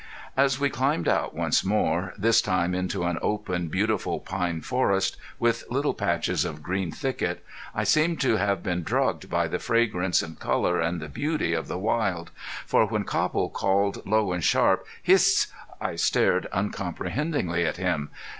As we climbed out once more, this time into an open, beautiful pine forest, with little patches of green thicket, I seemed to have been drugged by the fragrance and the color and the beauty of the wild. For when Copple called low and sharp: "Hist!" I stared uncomprehendingly at him.